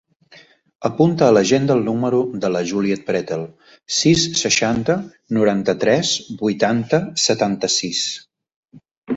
Apunta a l'agenda el número de la Juliet Pretel: sis, seixanta, noranta-tres, vuitanta, setanta-sis.